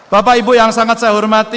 bapak ibu yang sangat saya hormati